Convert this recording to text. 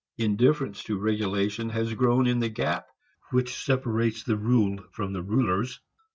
Indifference to regulation has grown in the gap which separates the ruled from the rulers.